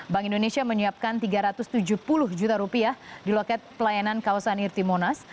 bank indonesia menyiapkan tiga ratus tujuh puluh juta rupiah di loket pelayanan kawasan irti monas